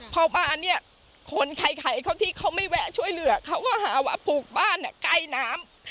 พอบ้านเนี่ยคนใครเขาที่เขาไม่แวะช่วยเหลือเขาก็หาว่าปลูกบ้านใกล้น้ำ